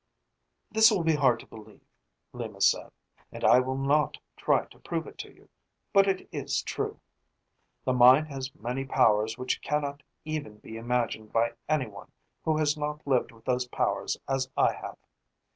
"This will be hard to believe," Lima said, "and I will not try to prove it to you, but it is true. The mind has many powers which cannot even be imagined by anyone who has not lived with those powers as I have.